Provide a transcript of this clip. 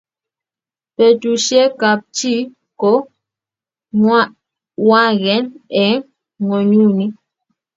Betusiekap chi ko nwagen eng’ ng’onyuni